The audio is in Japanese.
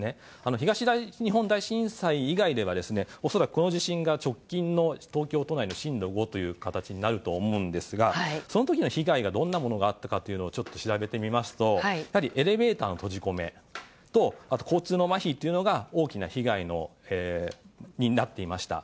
東日本大震災以外では恐らく、この地震が直近の東京都内の震度５という形になると思うんですがその時の被害がどんなものがあったかというのを調べてみますとエレベーターの閉じ込めと交通のまひが大きな被害になっていました。